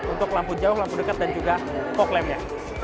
untuk lampu jauh lampu dekat dan juga fog lamp nya